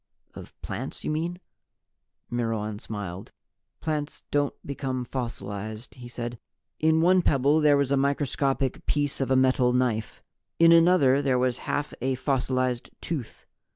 "Of plants, you mean?" Myrwan smiled. "Plants don't become fossilized," he said. "In one pebble there was a microscopic piece of a metal knife. In another there was half of a fossilized tooth.